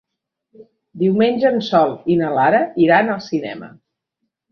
Diumenge en Sol i na Lara iran al cinema.